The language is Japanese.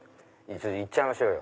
行っちゃいましょうよ。